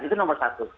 itu nomor satu